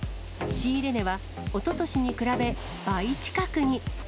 仕入れ値は、おととしに比べ倍近くに。